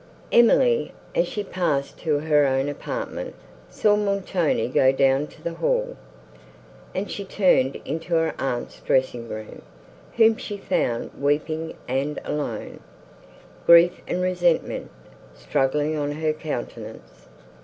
Emily, as she passed to her own apartment, saw Montoni go down to the hall, and she turned into her aunt's dressing room, whom she found weeping and alone, grief and resentment struggling on her countenance.